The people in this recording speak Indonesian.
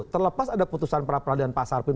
terlepas ada putusan para peradilan pak sarfim